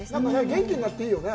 元気になっていいですね。